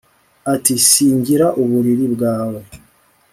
Ati Sangira uburiri bwawe